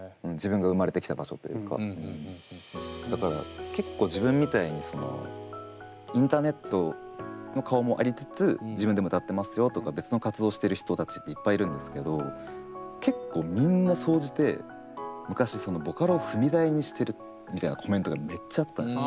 だから結構自分みたいにインターネットの顔もありつつ自分でも歌ってますよとか別の活動をしている人たちっていっぱいいるんですけど結構みんな総じて昔ボカロを踏み台にしてるみたいなコメントがめっちゃあったんですよ。